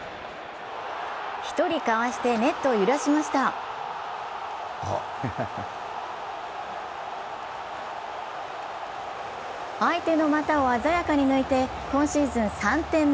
１人かわしてネットを揺らしました相手の股を鮮やかに抜いて今シーズン３点目。